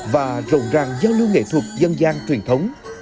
và rộn ràng giao lưu nghệ thuật dân gian truyền thống